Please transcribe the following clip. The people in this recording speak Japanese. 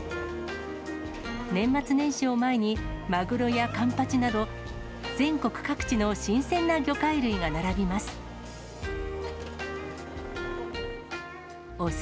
年末年始を前に、マグロやカンパチなど、全国各地の新鮮な魚介類が並びます。